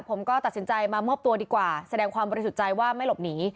ผมก็ตัดสินใจมามอบตัวดีกว่าแสดงความบริสุทธิ์ใจว่าไม่หลบหนี